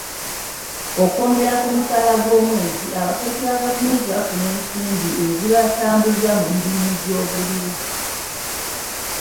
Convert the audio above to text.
Okwongereza ku musaala gw'omwezi, abakozi ba gavumenti bafuna ensimbi ezibatambuza mu mirimu gy'obuliwo.